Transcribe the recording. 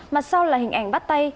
mà sau là hình ảnh bắt tay